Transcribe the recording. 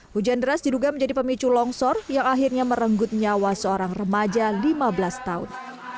hujan deras diduga menjadi pemicu longsor yang akhirnya merenggut nyawa seorang remaja lima belas tahun